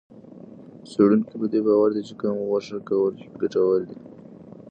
څېړونکي په دې باور دي چې کم غوښه کول ګټور دي.